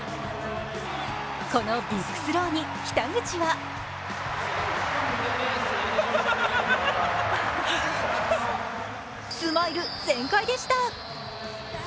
このビッグスローに北口はスマイル全開でした。